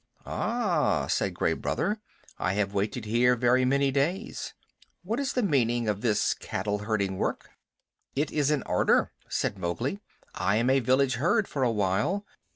"Ah," said Gray Brother, "I have waited here very many days. What is the meaning of this cattle herding work?" "It is an order," said Mowgli. "I am a village herd for a while.